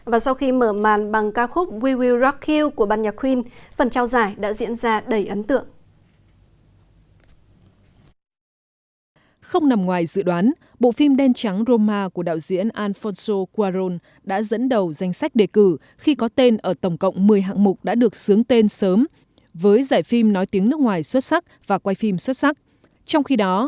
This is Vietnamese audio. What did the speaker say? và sau khi mở màn bằng ca khúc we will rock you của bản nhạc queen